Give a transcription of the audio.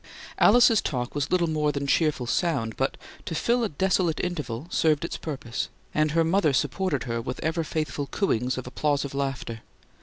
Alice's talk was little more than cheerful sound, but, to fill a desolate interval, served its purpose; and her mother supported her with ever faithful cooings of applausive laughter.